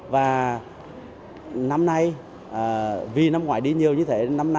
và năm nay vì năm ngoái đi nhiều như thế